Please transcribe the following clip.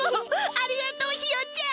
ありがとうひよちゃん！